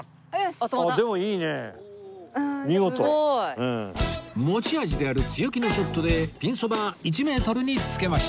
すごい！持ち味である強気のショットでピンそば１メートルにつけました